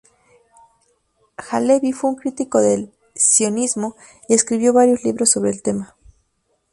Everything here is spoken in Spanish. Halevi fue un crítico del sionismo, y escribió varios libros sobre el tema.